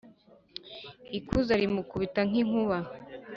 Ikuza rimukubita nk’inkuba,